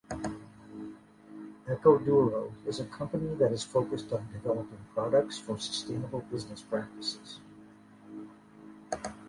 EcoDuro is a company that is focused on developing products for sustainable business practices.